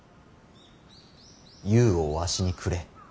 ゆうをわしにくれ。